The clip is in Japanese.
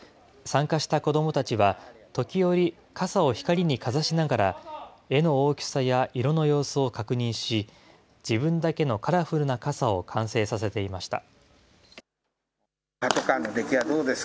参加した子どもたちは、時折、傘を光にかざしながら、絵の大きさや色の様子を確認し、自分だけのカラフルな傘を完成させていました。